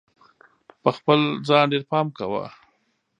په خپل ځان ډېر پام کوه!